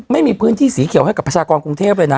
ไม่มีพื้นที่สีเขียวให้กับประชากรกรุงเทพเลยนะ